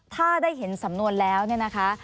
ถ้าได้เห็นสำนวนแล้วเนี่ยนะคะ